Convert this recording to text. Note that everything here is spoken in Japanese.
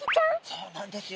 そうなんです。